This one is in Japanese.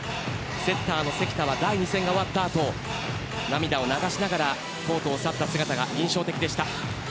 セッターの関田は第２戦が終わったあと涙を流しながらコートを去った姿が印象的でした。